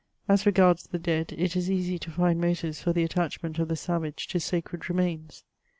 As regards the dead, it is easy to find motives for the attach ment of the savage to sacred remains.